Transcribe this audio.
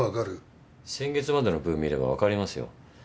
先月までの分見ればわかりますよ。